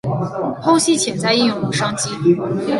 剖析潜在应用与商机